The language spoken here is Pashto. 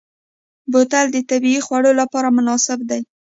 بوتل د طبعي خوړ لپاره مناسب دی.